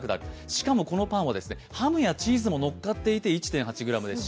しかもこのパンはハムやチーズがのっかって１．８ｇです。